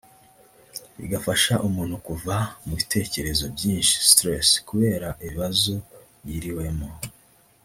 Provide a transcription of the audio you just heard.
bigafasha umuntu kuva mu bitekerezo byinshi (stress) kubera ibibazo yiriwemo